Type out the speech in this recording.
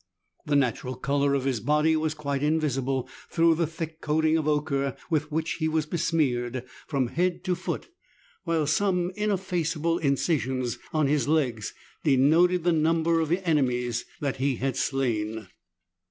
The natural colour of his body was quite invisible through the thick coating of ochre with which he was besmeared from head to foot, while some ineffaceable incisions in his legs denoted the number of enemies ha had slain.